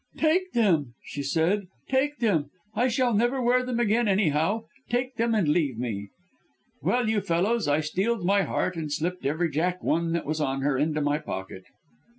'Take them,' she said, 'take them! I shall never wear them again, anyhow. Take them and leave me.' "Well, you fellows, I steeled my heart, and slipped every Jack one that was on her into my pocket.